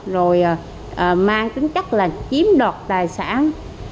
rồi mang tính chắc là chiếm đọt tài sản